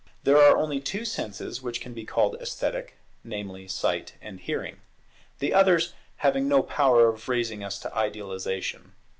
There are only two senses which can be called esthetic; namely, Sight and Hearing: the others having no power of raising us to Idealization.